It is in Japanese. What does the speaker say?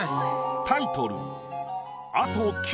タイトル